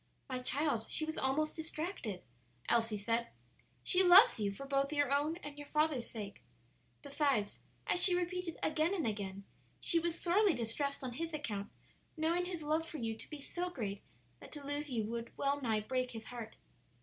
"My child, she was almost distracted," Elsie said. "She loves you for both your own and your father's sake. Besides, as she repeated again and again, she was sorely distressed on his account, knowing his love for you to be so great that to lose you would well nigh break his heart."